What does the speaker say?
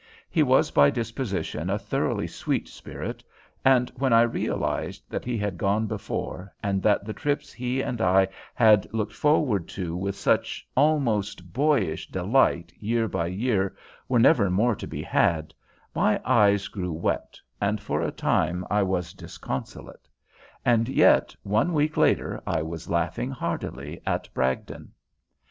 He was by disposition a thoroughly sweet spirit, and when I realized that he had gone before, and that the trips he and I had looked forward to with such almost boyish delight year by year were never more to be had, my eyes grew wet, and for a time I was disconsolate; and yet one week later I was laughing heartily at Bragdon.